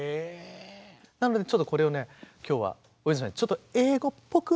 なのでちょっとこれをね今日は大泉さんにちょっと英語っぽく。